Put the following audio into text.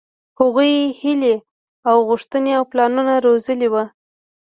هغوۍ هيلې او غوښتنې او پلانونه روزلي وو.